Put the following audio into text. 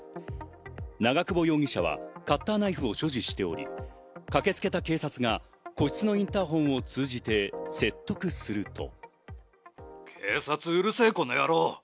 長久保容疑者はカッターナイフを所持しており、駆けつけた警察が個室のインターホンを通じて説得すると。